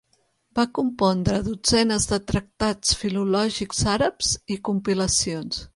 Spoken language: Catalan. Va compondre dotzenes de tractats filològics àrabs i compilacions.